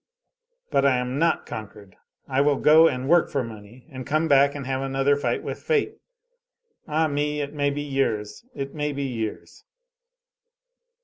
But I am not conquered! I will go and work for money, and come back and have another fight with fate. Ah me, it may be years, it may, be years."